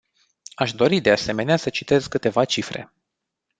Aș dori, de asemenea, să citez câteva cifre.